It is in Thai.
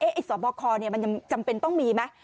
เอ๊ะสอบบอกคอมันยังจำเป็นต้องมีไหม